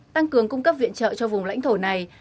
tăng cường cung cấp viện trợ cho vùng lãnh thổ này